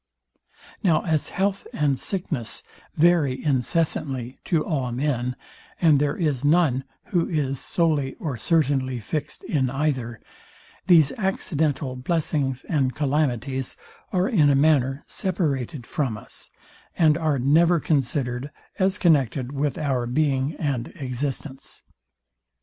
Now as health and sickness vary incessantly to all men, and there is none, who is solely or certainly fixed in either, these accidental blessings and calamities are in a manner separated from us, and are never considered as connected with our being and existence.